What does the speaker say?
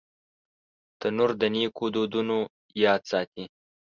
تنور د نیکو دودونو یاد ساتي